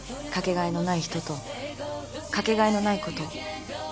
掛け替えのない人と掛け替えのないことを。